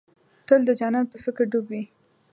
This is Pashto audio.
تل د جانان په فکر ډوب وې.